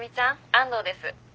☎安藤です。